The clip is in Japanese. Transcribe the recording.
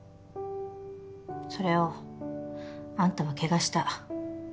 それをあんたは汚した。